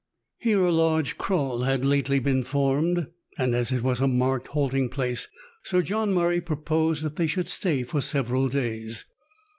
Here a large kraal had lately been formed, and as it was a marked halting place, Sir John Murray proposed that they should stay for several days.